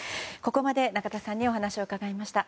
ここまで仲田さんにお話を伺いました。